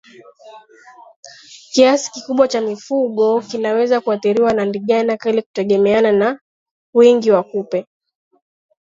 Kiasi kikubwa cha mifugo kinaweza kuathiriwa na ndigana kali kutegemeana na wingi wa kupe